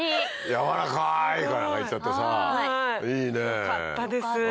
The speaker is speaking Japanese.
軟らかいなんて言っちゃってさ。いいね。よかったです。